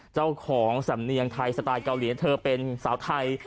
เจ้าของสำเนียงไทยสไตล์เกาหลีเธอเป็นสาวไทย